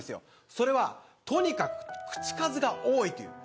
それは、とにかく口数が多いということ。